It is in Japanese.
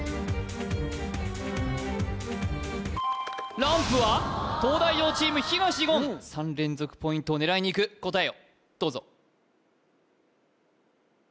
ランプは東大王チーム東言３連続ポイントを狙いにいく答えをどうぞ・